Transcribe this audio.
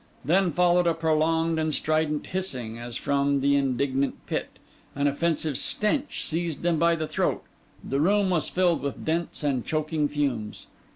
Then followed a prolonged and strident hissing as from the indignant pit; an offensive stench seized them by the throat; the room was filled with dense and choking fumes.